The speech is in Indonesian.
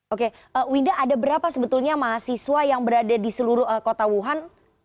oke winda ada berapa sebetulnya mahasiswa yang berada di seluruh kota wuhan